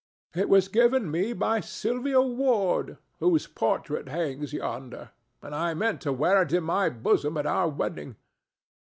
It was given me by Sylvia Ward, whose portrait hangs yonder, and I meant to wear it in my bosom at our wedding.